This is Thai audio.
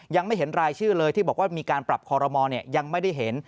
ยังไม่เห็นรายชื่อเลยที่บอกว่ามีการปรับคอรมอลยังไม่ได้เห็น